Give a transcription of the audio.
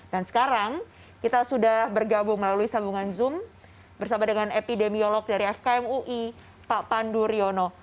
sekarang kita sudah bergabung melalui sambungan zoom bersama dengan epidemiolog dari fkm ui pak pandu riono